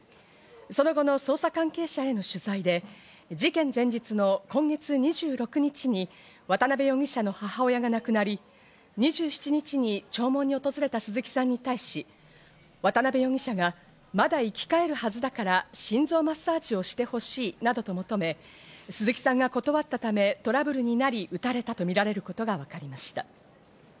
その後の捜査関係者への取材で、事件前日の今月２６日に渡辺容疑者の母親が亡くなり、２７日に弔問に訪れた鈴木さんに対し、渡辺容疑者がまだ生き返るはずだから心臓マッサージをして欲しいなどと求め、鈴木さんが断ったため、トラブルになり、撃たれたとみられることが分かりました。